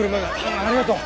ああありがとう。